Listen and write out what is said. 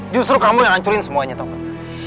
justru kamu yang hancurin semuanya tau gak